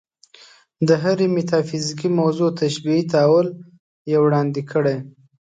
د هرې میتافیزیکي موضوع تشبیهي تأویل یې وړاندې کړی.